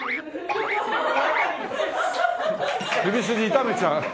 首筋痛めちゃう。